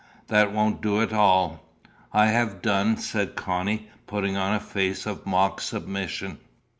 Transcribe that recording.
That won't do at all." "I have done," said Connie, putting on a face of mock submission.